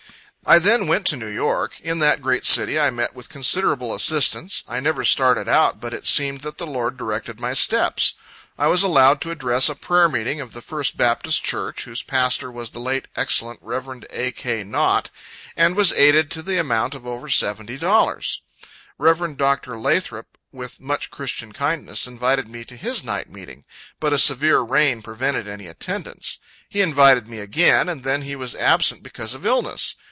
I then went to New York. In that great city, I met with considerable assistance. I never started out, but it seemed that the Lord directed my steps. I was allowed to address a prayer meeting of the First Baptist Church, whose pastor was the late excellent Rev. A. K. Nott, and was aided to the amount of over seventy dollars. Rev. Dr. Lathrop, with much christian kindness, invited me to his night meeting; but a severe rain prevented any attendance. He invited me again, and then he was absent because of illness.